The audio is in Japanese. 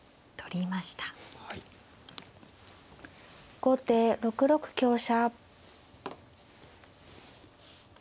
後手６六香車。